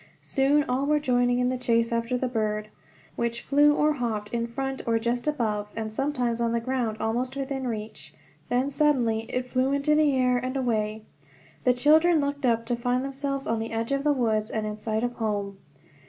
Soon all were joining in the chase after the bird, which flew or hopped in front or just above, and sometimes on the ground almost within reach. Then suddenly it flew into the air and away. The children looked up to find themselves on the edge of the woods and in sight of home.